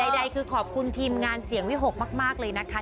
ใดคือขอบคุณทีมงานเสียงวิหกมากเลยนะคะ